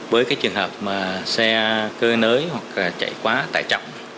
với cái trường hợp mà xe cơ nới hoặc chạy quá tải trọng